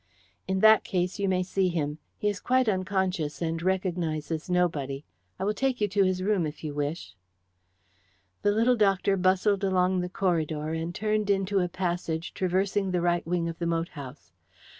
"In that case you may see him. He is quite unconscious, and recognizes nobody. I will take you to his room, if you wish." The little doctor bustled along the corridor, and turned into a passage traversing the right wing of the moat house.